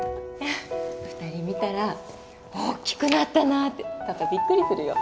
２人見たら大きくなったなってパパびっくりするよ。